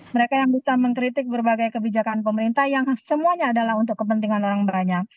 mereka yang bisa mengkritik berbagai kebijakan pemerintah yang semuanya adalah untuk kepentingan orang banyak